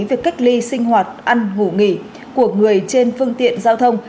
việc cách ly sinh hoạt ăn ngủ nghỉ của người trên phương tiện giao thông